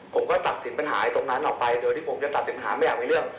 ผมก็ตัดสินปัญหาตรงนั้นออกไปโดยที่ผมจะตัดสินปัญหาไม่อยากมีเรื่อง